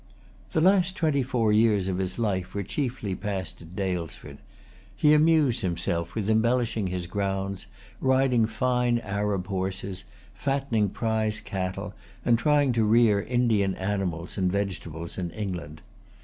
The last twenty four years of his life were chiefly passed at Daylesford. He amused himself with embellishing his grounds, riding fine Arab horses, fattening prize cattle, and trying to rear Indian animals and vegetables in England.